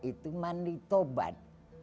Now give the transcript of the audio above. itu mandi taubat